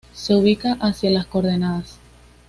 Se ubica hacia las coordenadas